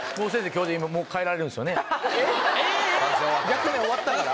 役目終わったから？